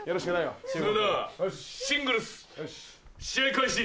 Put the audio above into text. それではシングルス試合開始。